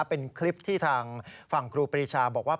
เป็นคลิปที่ทางฝั่งครูปรีชาบอกว่า